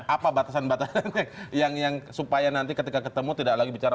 apa batasan batasannya yang supaya nanti ketika ketemu tidak lagi bicara